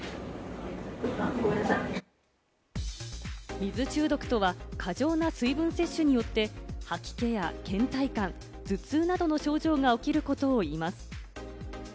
水中毒とは、過剰な水分摂取によって吐き気や倦怠感、頭痛などの症状が起きることを言います。